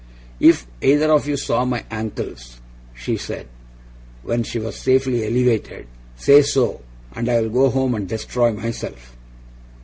'If either of you saw my ankles,' she said, when she was safely elevated, 'say so, and I'll go home and destroy myself!